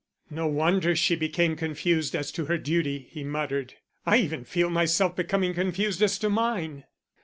"No wonder she became confused as to her duty," he muttered. "I even feel myself becoming confused as to mine."